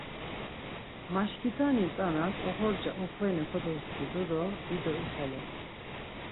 Maşkitani tzanas oxorca uxvene kodoskidu do dido ixeles.